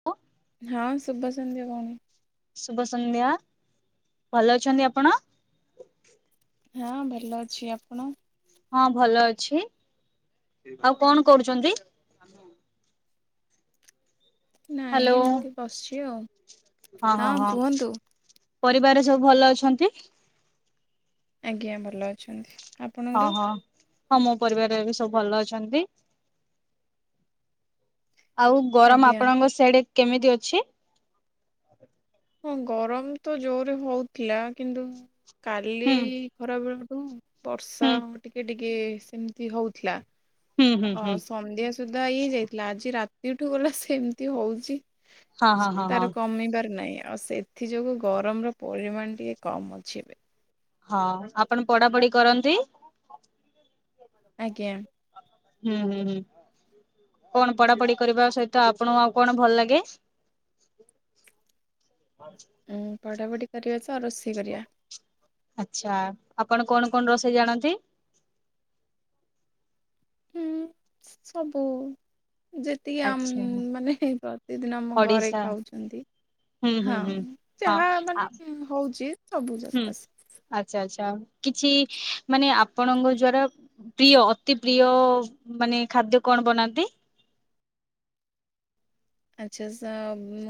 [unintelligible] ହଁ ଶୁଭ ସନ୍ଧ୍ୟ ଭଉଣୀ। ଶୁଭ ସନ୍ଧ୍ୟା ଭଲ ଅଛନ୍ତି ଆପଣ? ହଁ ଭଲ ଅଛି ଆପଣ? ହଁ ଭଲ ଅଛି ଆଉ କଣ କରୁଚନ୍ତି? ନାଇଁ ହ୍ୟାଲୋ ଏମିତି ବସିଚି ଆଉ। ହଁ ହଁ ହଁ ପରିବାରରେ ସବୁ ଭଲ ଅଛନ୍ତି। ଆଜ୍ଞା ଭଲ ଅଛନ୍ତି। ହଁ ଆପଣଙ୍କର? ହଁ ହଁ ମୋ ପରିବାରରେ ବି ସବୁ ଭଲ ଅଛନ୍ତି। ଆଉ ଗରମ ଆଜ୍ଞା ଆପଣଙ୍କ ସେଆଡେ କେମିତି ଅଛି? ହଁ ଗରମ ତ ଜୋରରେ ହଉଥିଲା କିନ୍ତୁ କାଲି ହୁଁ ଖରା ବେଳଠୁ ବର୍ଷା ହୁଁ ଟିକେ ଟିକେ ସେମିତି ହଉଥିଲା ହୁଁ ହୁଁ ଅ ହୁଁ ସନ୍ଧ୍ୟା ସୁଦ୍ଧା ଇଏ ହେଇଯାଇଥିଲା ଆଜି ରାତିଠୁ ଗଲା ସେମିତି ହଉଛି ହଁ ହଁ ହଁ ହଁ ତାର କମେଇବାର ନାହିଁ ଆଉ ସେ ଏଥିଯୋଗୁଁ ଗରମର ପରିମାଣ ଟିକେ କମ ଅଛି ଏବେ ହଁ ଆପଣ ପଢାପଢି କରନ୍ତି ଆଜ୍ଞା ହୁଁ ହୁଁ ହୁଁ କଣ ପଢା ପଢି କରିବା ସହିତ ଆପଣଙ୍କୁ ଆଉ କଣ ଭଲ ଲାଗେ? ପଢ଼ାପଢ଼ି କରିବା ତ ରୋଷେଇ କରିବା ଆଚ୍ଛା ଆପଣ କଣ କଣ ରୋଷେଇ ଜାଣନ୍ତି? ହୁଁ ସବୁ ଯେତିକି ଆ ଆଚ୍ଛା ମାନେ ପ୍ରତିଦିନ ଆମ ଘରେ ଓଡିଶା ଖାଉଛନ୍ତି ହୁଁ ହୁଁ ହଁ ହୁଁ ହଁ ଯାହା ଆ ମାନେ ହଉଛି ସବୁ ଯାକ ଆସିବ। ଆଛା ଆଚ୍ଛା କିଛି ମାନେ ଆପଣଙ୍କ ଦ୍ଵାରା ପ୍ରିୟ ଅତି ପ୍ରିୟ ମାନେ ଖାଦ୍ୟ କଣ ବନାନ୍ତି? ଆଚ୍ଛା ଆଛା ମୁଁ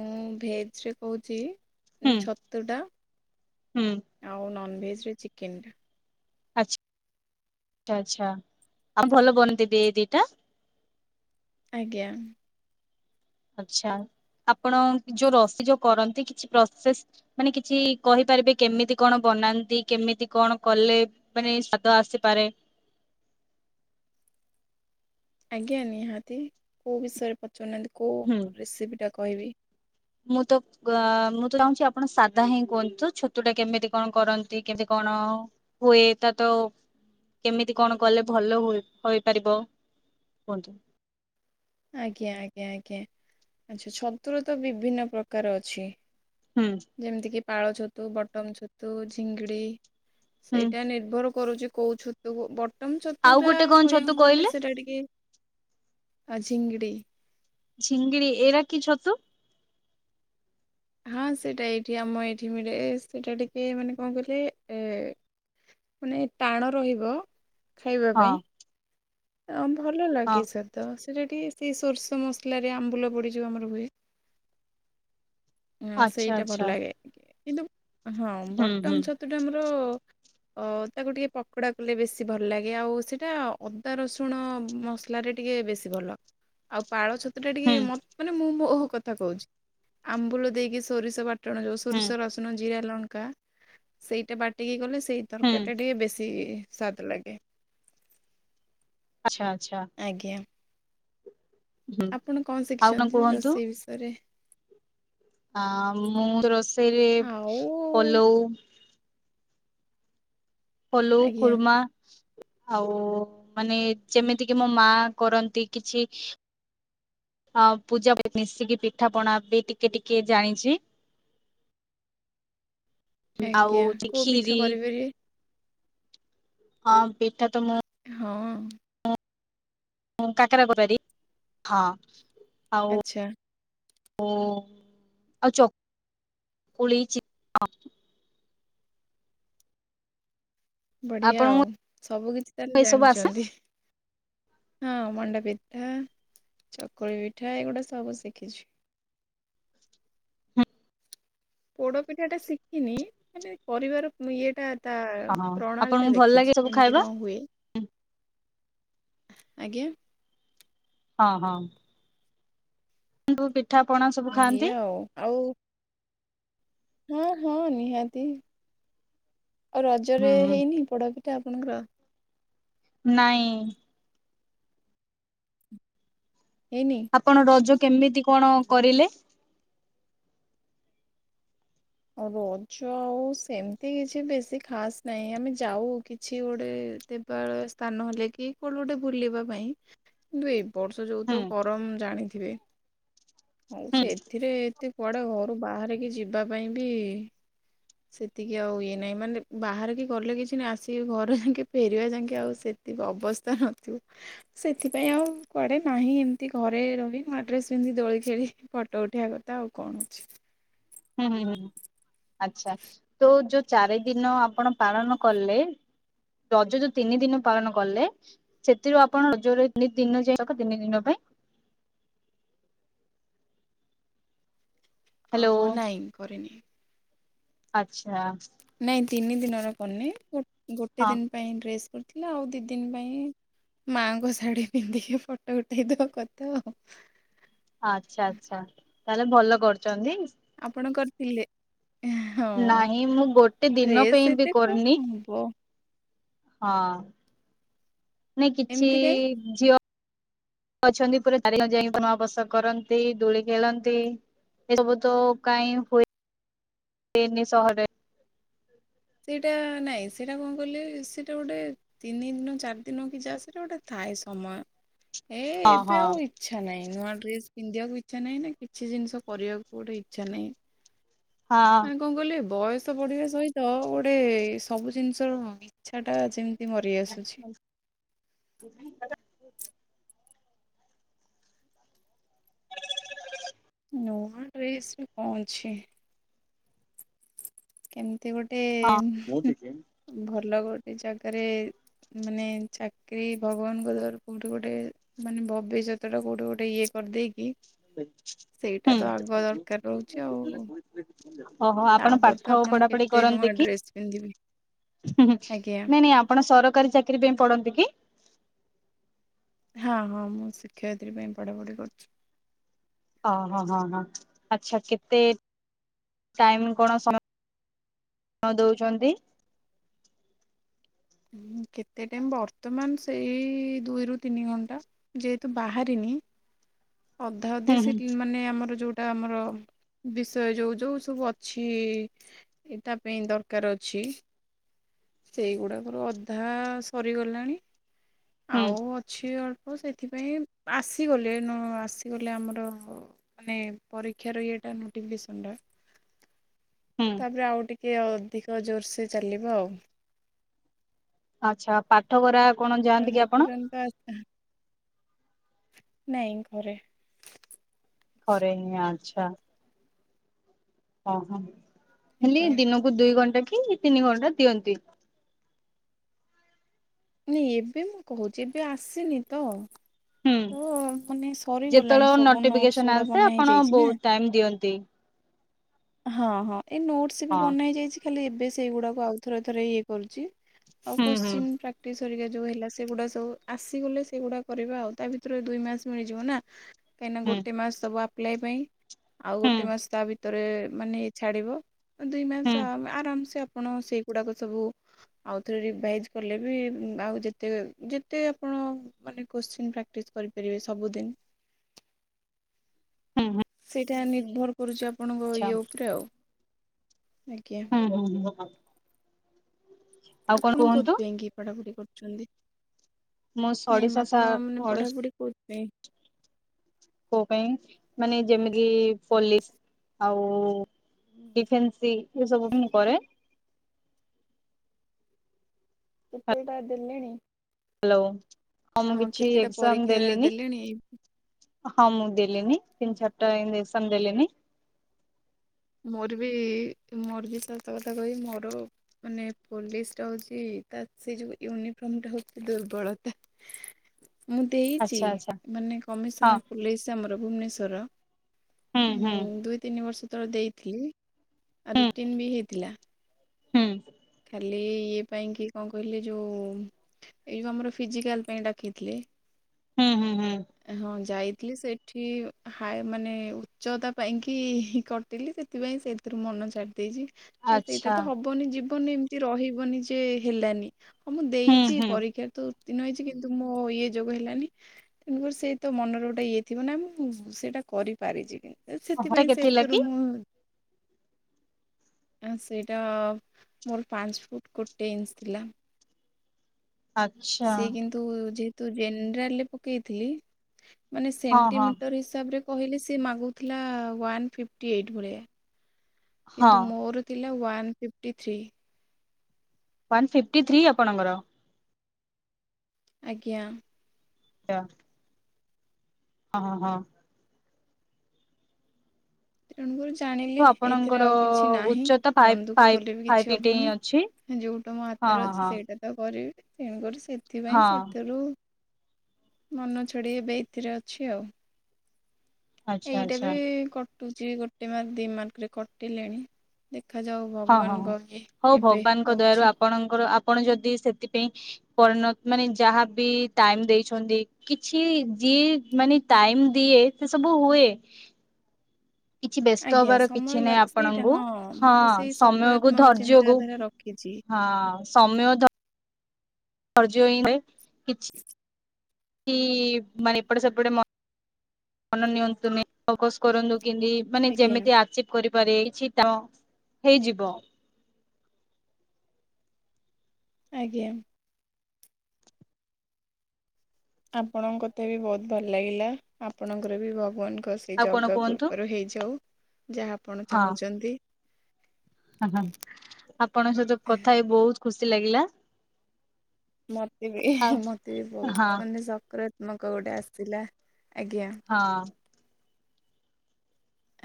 ଭେଜ୍ରରେ କହୁଛି ହୁଁ ଛତୁଟା ହୁଁ ଆଉ ନନ୍ଭେଜେରେ ଚିକେନଟା। ଆଛା ଆଚ୍ଛା ଆଉ ଭଲ ବନନ୍ତି ବିି ଏଇ ଦିଟା ଆଜ୍ଞା। ଆଛା ଆପଣ ଯୋଉ ରସି ଯୋଉ କରନ୍ତି କିଛି ପ୍ରସେସ ମାନେ କିଛି କହିପାରିବେ କେମିତି କଣ ବନାନ୍ତି କେମିତି କଣ କଲେ ମାନେ ସ୍ୱାଦ ଆସିପାରେ ଆଜ୍ଞା ନିହାତି କେଉଁ ବିଷୟରେ ପଚାରୁନାହାଁନ୍ତି କେଉଁ ହୁଁ। ରେସିପିଟା କହିବି। ମୁଁ ତ ମୁଁ ତ ଚାହୁଁଛି ଆପଣ ସାଧା ହିଁ କୁହନ୍ତୁ ତ ଛତୁ ଟା କେମିତି କଣ କରନ୍ତି କେମିତି କଣ ହଏ ତା ତ କେମିତି କଣ କଲେ ଭଲ ହୁଏ ହୋଇପାରିବ କୁହନ୍ତୁ। ଆଜ୍ଞା ଆଜ୍ଞା ଆଜ୍ଞା ଆ ଛତୁର ତ ବିଭିନ୍ନ ପ୍ରକାର ଅଛି। ହୁଁ ଯେମିତିକି ପାଳ ଛତୁ ବଟମ ଛତୁ ଝିଙ୍ଗିଡ଼ି ହୁଁ ସେଇଟା ନିର୍ଭର କରୁଛି କଉ ଛତୁ ବଟ୍ ବଟମ ଛତୁ ଆଉ ଟା ଗୋଟେ କଣ ଛତୁ କହିବାକୁ ଗଲେ କହିଲେ ସେଇଟା ଟିକେ ଆ ଝିଙ୍ଗିଡ଼ି ଝିଙ୍ଗଡିି ଏରା କି ଛତୁ ହଁ ସେଇଟା ଏଇଠି ଆମ ଏଇଠି ମିଳେ ସେଇଟା ଟିକେ ମାନେ କଣ କହିଲେ ଏ ମାନେ ଟାଣ ରହିବ ଖାଇବା ହଁ ପାଇଁ ଭଲ ହଁ ଲାଗେ ସାର୍ ତ ସେଇଟା ଟିକି ସେ ସୋର୍ଷ ମସଲାରେ ଆମ୍ବୁଲ ପଡ଼ିଯିବ ଆମର ହୁଏ ହ ଆଚ୍ଛା ସେଇଟା ଆଚ୍ଛା। ଭଲ ଲାଗେ କିନ୍ତୁ ହଁ ହୁଁ ହୁଁ ବଟମ ଛତୁଟା ଆମର ଅ ତାକୁ ଟିକେ ପକୋଡ଼ା କଲେ ବେଶି ଭଲ ଲାଗେ ଆଉ ସେଇଟା ଅଦା ରସୁଣ ମସ୍ ଲାରେ ଟିକେ ବେଶୀ ଭଲ ଆଉ ପାଳ ଛତୁ ଟା ହୁଁ ଟିକେ ମ ମାନ ମୁଁ ମୋ କଥା କହୁଛି ଆମ୍ବୁଲ ଦେଇକି ସୋରିଷ ବାଟଣ ଯାଉ ହୁଁ ସୋରିଷ ରସ୍ ଉଣ ଜିରା ଲଙ୍କା ସେଇଟା ବାଟିକି କଲେ ସେଇ ହୁଁ ତରକାରୀ ଟା ଟିକେ ବେଶୀ ସ୍ୱାଦ ଲଗେ। ଆଚ୍ଛା ଆଚ୍ଛା। ଆଜ୍ଞା। ହୁଁ। ଆପଣ କଣ ଆଉ ଶିଖିଛନ୍ତି କୁହନ୍ତୁ ରୋଷେଇ ବିଷୟରେ? ଆ ମୁଁ ତ ରୋଷେଇରେ ଆଉ ପଲଉ ଫଲଉ ଆଜ୍ଞା କୁର୍ମା ଆଉ ମାନେ ଯେମିତି କିି ମୋ ମା କରନ୍ତି କିଛି ହଁ ପୂଜା ମିଶିକି ପିଠା ପଣା ବି ଟିକେ ଟିକେ ଜାଣିଛି। ଆଉ ଆଜ୍ଞା ହଉଚି କୋଉ ପିଠା କ୍ଷୀରି। କରିପାରିବେ ହଁ ପିଠା ତ ମୁଁ ହଁ। [unintelligible] ହଁ ଆଉ ଆଚ୍ଛା ଓ ଆଉ ଚ କୁଳି [unintelligible] ବଢ଼ିଆ ଆଉ ଆପଣଙ୍କୁ ସବୁ କିଛି ତାହେଲେ ଏଇ ସବୁ ଆସେ ଜାଣିଛନ୍ତି। ହଁ ମଣ୍ଡା ପିଥା ଚକୁଳି ପିଠା ଏଗୁଡ଼ା ସବୁ ଶିଖିଛି। ହୁଁ। ପୋଡ଼ ପିଠା ଟା ଶିଖିନି ମାନେ କରିବାର ଇଏଟା ତା ହଁ ପ୍ରଣାଳୀ ଆପଣଙ୍କୁ ଟା ଭଲ ଲାଗେ ଦେଖିଛି ସବୁ କେମିତି ଖାଇବା କଣ ହୁଏ? ଆଜ୍ଞା ହଁ ହଁ। [unintelligible] ପିଠା ପଣା ସ ଏଇଆ ଆଉ ଆଉ ହଁ ହଁ ନିହାତି ଆଉ ରଜରେ ହୁଁ ହେଇନି ପୋଡ଼ ପିଠା ଆପଣଙ୍କର? ନାଇଁ। ହେଇନି? ଆପଣ ରଜ କେମିତି କଣ କରିଲେ? ରଜ ଆଉ ସେମିତି କିଛି ବେଶୀ ଖାସ୍ ନାହିଁ ଆମେ ଯାଉ କିଛି ଗୋଟେ ତିର [unintelligible] ସ୍ଥାନ ଲେଇ କି କୁଆଡ଼େ ଗୋଟେ ବୁଲିବା ପାଇଁ? କିନ୍ତୁ ଏଇ ବର୍ଷ ଯୋଉ ହୁଁ ତ ଗରମ ଜାଣିଥିବେ ହଉ ହୁଁ ସେ ଥିରେ ଏତେ କୁଆଡେ଼ ଘରୁ ବାହାରିକି ଯିବା ପାଇଁ ବି ସେତିକି ଆଉ ଇଏ ନାହିଁ ମାନେ ବାହାରିକି ଗଲେ କିଛି ନାହିଁ ଆସିକି ଘରେ ଯାଇକି ଫେରିବା ଯାଇକି ଆଉ ସେ ତିକୀ ଅବସ୍ଥା ନଥିବ। ସେଥିପାଇଁ ଆଉ କୁଆଡ଼େ ନାହିଁ ଏମିତି ଘରେ ରହି ନୂଆ ଡ୍ରେସ ପିନ୍ଧି ଦୋଳି ଖେଳି। ଫଟୋ ଉଠେଇବା କଥା ଆଉ କଣ ଅଛି। ହୁଁ ହୁଁ ହୁଁ ହୁଁ। ଆଚ୍ଛା ତୋଉ ଯୋଉ ଚାରି ଦିନ ଆପଣ ପାଳନ କଲେ ରଜ ଯୋଉ ତିନି ଦିନ ପାଳନ କଲେ ସେଥିରୁ ଆପଣ ରଜର ତିନି ଦିନ ଯାକ ତିନି ଦିନ ପାଇଁ ହ୍ୟାଲୋ ଆଉ ନାଇଁ କରିନି। ଆଚ୍ଛା। ନାଇଁ ତିନି ଦିନର କରିନି ଗୋଟେ ହଁ ଦିନ ପାଇଁ ଡ୍ରେସ କରିଥିଲି ଆଉ ଦି ଦିନ ପାଇଁ ମାଆଙ୍କ ଶାଢୀ ପିନ୍ଧିକି ଫଟୋ ଉଠେଇଦବା କଥା ଆଉ ଆଛା ଆଛା ତାହେଲେ ଭଲ କରୁଛନ୍ତି। ଆପଣ କରିଥିଲେ ହଁ ନାହିଁ ମୁଁ ଗୋଟେ ଦିନ ପାଇଁ ଡେସ୍ ବି ଏତେ କ କରିନି ଓ ହଁ ନାଇଁ କିଛି ଏମିତି କାଇଁ ଝିଅ ଅଛନ୍ତି ପୁରା ଚାରି ଯାଇ [unintelligible] କରନ୍ତି ଦୋଳି ଖେଳନ୍ତି। ଏ ସବୁ ତ କାଇ ହୁଏନି ସହରରେ ସେଇଟା ନାଇଁ ସେଇଟା କଣ କଲେ ସେଇଟା ଗୋଟେ ତିନି ଦିନ, ଚାରି ଦିନ କି ଯାସରେ ଗୋଟେ ଥାଏ ସମୟ ଏ ହଁ ହଁ ଏବେ ଆଉ ଇଛା ନାହିଁ ନୂଆ ଡ୍ରେସ ପିନ୍ଧିବାକୁ ଇଚ୍ଛା ନାହିଁ ନା କିଛି ଜିନିଷ କରିବାକୁ ଗୋଟେ ଇଚ୍ଛା ନାହିଁ। ହଁ କଣ ମାନେ କହିଲେ ବୟସ ବଢିବା ସହିତ ଗୋଟେ ସବୁ ଜିନିଷର ଇଚ୍ଛାଟା ଯେମତି ମରି ଆସୁଛି। [inaudible] ନୂଆ ଡ୍ରେସରେ କଣ ଅଛି। କେମିତି ଗୋଟେ ହଁ ଭଲ ଗୋଟେ ଜାଗାରେ ମାନେ ଚାକିରୀ ଭଗବାନଙ୍କ ଦୟାରୁ କୋଉଠି ଗୋଟେ ମାନେ ଭବିଷ୍ୟତ ଟା କୋଉଠି ଗୋଟେ ଇଏ କରିଦେଇକି ସେଇଟା ତ ଆଗ ହୁଁ ଦରକାର ରହୁଛି ଆଉ ଓହୋ ଆପଣ ତାପରେ ତ ପାଠ ଆପଣ ପଢାପଢି କେତେ ନୂଆ କରନ୍ତି କି? ଡ୍ରେସ୍ ପିନ୍ଧିବି ନାଇଁ ଆଜ୍ଞା ନାଇଁ ଆପଣ ସରକାରୀ ଚାକିରି ପାଇଁ ପଡନ୍ତି କି? ହଁ ହଁ ମୁଁ ଶିକ୍ଷୟିତ୍ରୀ ପାଇଁ ପଢ଼ାପଢ଼ି କରୁଛି। ଓହୋ ହ ହଁ ଆଚ୍ଛା କେତେ ଟାଇମ୍ କଣ ସମ ୟ ଦଉଛନ୍ତି। କେତେ ଟାଇମ୍ ବର୍ତମାନ ସେଇ ଦୁଇରୁ ତିନି ଘଣ୍ଟା ଯେହେତୁ ବାହାରିନି ଅଧା ଅଧି ହୁଁ ସେ ହୁଁ ମାନେ ଆମର ଯୋଉ ଟା ଆମର ବିଷୟ ଯୋଉ ଯୋଉ ସବୁ ଅଛି। ଏଇ ତା ପାଇଁ ଦରକାର ଅଛି। ସେଇଗୁଡ଼ାକର ଅଧା ସରିଗଲାଣି। ହୁଁ ଆଉ ଅଛି ଅଳ୍ପ ସେଥିପାଇଁ ଆସିଗଲେ ନ ଆସିଗଲେ ଆମର ମାନେ ପରୀକ୍ଷାର ଇଏଟା ନୋଟିଫ୍ କେଶନ ଟା ହୁଁ ତାପରେ ଆଉ ଟିକେ ଅଧିକ ଜୋର ସେ ଚାଲିବ ଆଉ ଆଚ୍ଛା ପାଠ ଗାରା କଣ ଆଉ ଯାଆନ୍ତି କି ଆପଣ? [inaudible] ନାଇଁ ଘରେ ଘରେ ହିଁ ଆଛା ଓହୋ ହେଲେ ଆଜ୍ଞା ଦିନକୁ ଦୁଇ ଘଣ୍ଟା କି ତିନି ଘଣ୍ଟା ଦିଅନ୍ତି। ନାଇଁ ଏବେ ମୁଁ କହୁଛି ଏବେ ଆସିନି ତ ହୁଁ ତ ମାନେ ସରିଗଲାଣି ଯେତେବେଳେ ସବୁ ନୋଟସ୍ ଗୁଡା ବନା ହେଇଯାଇଛି ନା ଟାଇମମ୍ ଦିଅନ୍ତି। ହଁ ହଁ ଏଇ ନୋଟସ ବି ହଁ ବନା ହେଇ ଯାଇଛି ଖାଲି ଏବେ ସେଇଗୁଡାକୁ ଆଉ ଥରେ ଥରେ ଇ କରୁଛି ଆଉ ହୁଁ ହୁଁ କୋ୍ଶ୍ଚିନ ପ୍ରାକ୍ଟିସ୍ ହେରିକା ଯୋଉ ହେଲା ସେଗୁଡା ସବୁ ଆସିଗଲେ ସେଗୁଡା କରିବା ଆଉ ତା ଭିତରେ ଦୁଇ ମାସ ମିଳିଯିବ ନା କାହିଁକିନା ଗୋଟେ ହୁଁ ମାସ ସବୁ ଆପ୍ଲାଏ ପାଇଁ ଆଉ ଗୋଟେ ମାସ ତା ଭିତରେ ମାନେ ଛାଡିବ ଦୁଇ ହୁଁ ହୁଁ ମାସ ଆରାମସେ ଆପଣ ସେଇଗୁଡାକ ସବୁ ଆଉଥରେ ରିଭାଇଜ୍ କଲେ ବି ଆଉ ଯେତେ ଯେତେ ଆପଣ ମାନେ କୋଶ୍ଚିନ୍ ପ୍ରାକ୍ଟିସ୍ କରିପାରିବେ ସବୁଦିନ। ହୁଁ ହୁଁ। ସେଇଟା ନିର୍ଭର କରୁଚି ଆପଣଙ୍କ ଆଛା ଇଏ ଉପରେ ଆଉ ଆଜ୍ଞା। ହୁଁ ହୁଁ ହୁଁଁ। ଆପଣ କୁହନ୍ତୁ କୋଉଥିପାଇଁ କିି ପଢାପଢି କରୁଛନ୍ତି? ମୁଁ ନାଇଁ ସଡିଶା ସା ଆପଣ ମାନେ ଓଡିଶା ପଢାପଢି କଉଥିପାଇଁ? କୋ ପାଇଁ ମାନେ ଯେମିତି ପୋଲିସ ଆଉ ଡିଫେନ୍ସସି ଏସବୁ ମୁଁ କରେ। କେତେ ଟା ଦେଲେଣି? ହ୍ୟାଲୋ ଆଉ ମୁଁ ହଁ କିଛି କେତେଟା ଏଜାମ ପରୀକ୍ଷା ଦେଲିିନି। ଦେଲେଣି? ହଁ ମୁଁ ଦେଲିନି ତିନି ଚାରିଟା ଏଗଯିବିଷଣ ଦେଲିଣିି। ମୋର ବି ମୋର ବି ସତ କଥା କହିବି ମୋର ମାନେ ପୋଲିସ ଟା ହଉଛି ତା ସେ ଯୋଉ ୟୁନିଫର୍ମ ଟା ହଉଛି ଦୁର୍ବଳତା। [inaudible] ମୁଁ ଦେଇଛି ଆଚ୍ଛା ଆଚ୍ଛା ମାନେ ହଁ କମିଶନର ପୋଲିସ ଆମର ଭୁବନେଶ୍ଵରର। ହୁଁ ହୁଁ ଉଁ ଦୁଇ ତିନି ବର୍ଷ ତଳେ ଦେଇଥିଲି ଆଉ ରିଟନ ବି ହେଇଥିଲା। ହୁଁ। କାଲି ଇଏ ପାଇଁ କିି କଣ କହିଲେ ଯୋଉ ଏଇଉ ଆମର ଫିଜିକାଲ ପାଇଁ ଡାକିଥିଲେ ହୁଁ ହୁଁ ହୁଁ ହଁ ଯାଇଥିଲି ସେ ସେଠିଁ ହାୟ ମାନେ ଉଚ୍ଚତା ପାଇଁକି କଟିିଲି ସେଥିପାଇଁ ସେଥିରୁ ମନ ଛାଡି ଦେଇଛି। ଖାସ ସେଇଟା ଆଚ୍ଛା ତ ହବନି ଜୀବନରେ ଏମିତି ରହିବନି ଯେ ହେଲାନି ହଁ ମୁଁ ହୁଁ ଦେଇଛି ହୁଁ ପରୀକ୍ଷା ତ ଉତ୍ତୀର୍ଣ ହେଇଛି କିନ୍ତୁ ମୋ ଇଏ ଯୋଗୁଁ ହେଲାନି। କିନ୍ତୁ ସେଇ ତ ମନରେ ଗୋଟେ ଇଏ ଥିବ ନା ମୁଁ ସେଇଟା କରିପାରିଛି ବି। ସେଟା ସେଥିପାଇଁ କେତେ ଥିଲା ସେଥିରୁ କି ମୁଁ ହଁ ସେଇଟା ଆ ମୋର ପାଞ୍ଚ ଫୁଟ୍ ଗୋଟେ ଇଞ୍ଚି ଥିଲା। ଆଚ୍ଛା। ତୁ ଯେହେତୁ ଜେନେରାଲ ପକେଇଥିଲି ମାନେ ହଁ ହଁ ସେଣ୍ଟିମିଟର ହିସାବ୍ରେ ମୁଁ କହିଁଲି ସେ ମାଗୁଥିଲା ୱାନ୍ ଫିଫ୍ଟି ଏଇଟ୍ ଭଳିଆ ହଁ କିନ୍ତୁ ମୋର ଥିଲା one fifty three. One fifty three ଆପଣଙ୍କର? ଆଜ୍ଞା। ଡା ଓଁ ହଁ। ତେଣୁକରି ଜାଣିଲି ତ ଏଇଥିରେ ଆପଣଙ୍କର ଆଉଁ କିଛି ନାହିଁ ଉଚ୍ଚତା ଫାଇଭ୍ ମନ ଦୁଃଖ ଫାଇଭ୍ କଲେ ବି ଫାଇଭ୍ କିଛି ଏଇଟ୍ ହିଁ ଅଛି ହବନି। ଯୋଉଁଟା ମୋ ହଁ ହାତରେ ହଁ ଅଛି ହଁ ସେଇଟା ତ କରିବି ତେଣୁକରି ସେଥିପାଇଁ ହଁ ସେଥୁରୁ ମନ ଛଡେଇ ଏବେ ଏଥିରେ ଅଛି ଆଉ। ଆଚ୍ଛା ଏଇଟା ଆଚ୍ଛା ବି କଟୁଛି ଗୋଟେ ମାର୍କ ଦି ମାର୍କରେ କଟିଲେଣି ଦେଖାଯାଉ ହଁ ହଁ ହଁ। ଭଗବାନଙ୍କ ଏଁ ହଉ କେବେ ଭଗବାନଙ୍କ ଦୟାରୁ ହଉଛି। ଆପଣଙ୍କର ଆପଣ ଯଦି ସେଥିପାଇଁ ପରିଣତ ମାନେ ଯାହାବି ଟାଇମ ଦେଇଛନ୍ତି କିଛି ଯିଏ ମାନେ ଟାଇମ୍ ଦିଏ ସେ ସବୁ ହୁଏ। କିଛି ବ୍ୟସ୍ତ ଆଜ୍ଞା ହବାର ସମୟ କିଛି ନାହିଁ ଲାଗେ ସେଇଟା ଆପଣଙ୍କୁ ମୁଁ ହଁ ତ ସେଇ ସମୟ କୁ ସକାରାତ୍ମକ ଧର୍ଯ୍ୟକୁ ଚିନ୍ତାଧାରା ରଖିଛି। ହଁ ସମୟ ତ ଫର୍ଜ ଇଁ ହୋଏ। ଚୁଁ କି ଇ ଇ ମାନେ ଏପଟେ ସେପଟେ ମ୍ ମନ ନିଅନ୍ତୁନି ଫୋକସ୍ କରନ୍ତୁ କିନ୍ତି ମାନେ ଆଜ୍ଞା ଯେମିତି ଆର୍ଚିପ୍ କରିପାରିବେ ଇଛିଟଁ ହେଇଯିବ। ଆଜ୍ଞା। ଆପଣଙ୍କ କଥା ବି ବହୁତ ଭଲ ଲାଗିଲା ଆପଣଙ୍କର ବି ଭଗବାନଙ୍କ ଆଶ୍ ଏଇ ଆଉ କଣ ଜଗା କୁହନ୍ତୁ କୃପାରୁ ହେଇ ଯାଉ ଯାହା ଆପଣ ଚାହୁଁଚନ୍ତି। ଓହୋ ଆପଣଙ୍କ ସହିତ କଥା ହେଇ ବହୁତ ଖୁସି ଲାଗିଲା। ମତେ ବି ଏ ଆଉ ହିଁ ମତେ ବି ହଁ ବହୁତ ମାନେ ସକାରାତ୍ମକ ଗୋଟେ ଆସିଲା ଆଜ୍ଞା। ହଁ।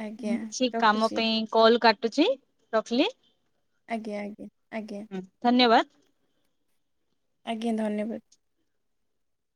ଆଜ୍ଞା ମୁଁ କିଛି କାମ ରଖୁଛି ପାଇଁ କଲ କାଟୁଚି ରଖଲି? ଆଜ୍ଞା ଆଜ୍ଞା ଆଜ୍ଞା। ଧନ୍ୟବାଦ। ଆଜ୍ଞା ଧନ୍ୟବାଦ।